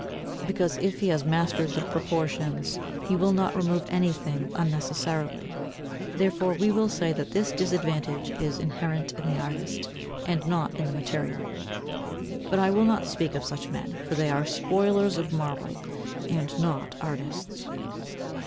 Because if he has mastered the proportions he will not remove anything unnecessarily; therefore we will say that this disadvantage is inherent in the artist and not in the material. But I will not speak of such men, for they are spoilers of marble and not artists.